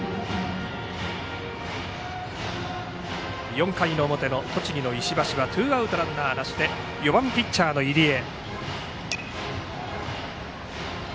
４回の表、栃木の石橋はツーアウトランナーなしで４番ピッチャーの入江。